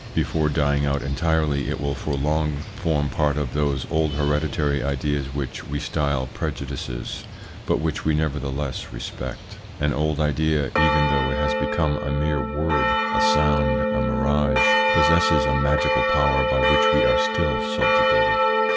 Before dying out entirely, it will for long form part of those old hereditary ideas which we style prejudices, but which we nevertheless respect. An old idea, even though it has become a mere word, a sound, a mirage, possesses a magical power by which we are still subjugated.